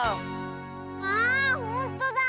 あほんとだ！